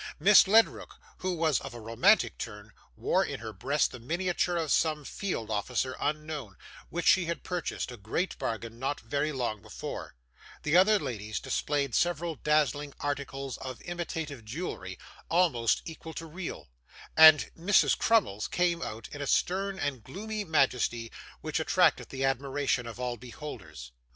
Miss Ledrook, who was of a romantic turn, wore in her breast the miniature of some field officer unknown, which she had purchased, a great bargain, not very long before; the other ladies displayed several dazzling articles of imitative jewellery, almost equal to real, and Mrs Crummles came out in a stern and gloomy majesty, which attracted the admiration of all beholders.